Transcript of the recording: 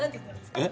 えっ？